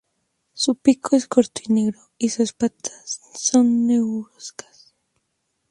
Su pico es corto y negro, y sus patas son negruzcas.